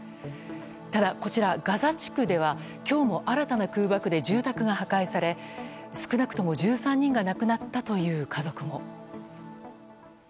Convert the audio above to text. ただ、こちらガザ地区では今日も、新たな空爆で住宅が破壊され少なくとも１３人が亡くなったという家族も。